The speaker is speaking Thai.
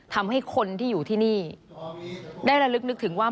ทำให้คนที่อยู่ที่นี่ได้ระลึกนึกถึงว่า